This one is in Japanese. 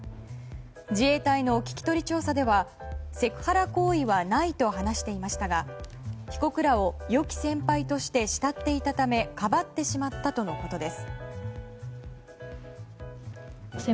自衛隊の聞き取り調査ではセクハラ行為はないと話していましたが被告らを良き先輩として慕っていたためかばってしまったとのことです。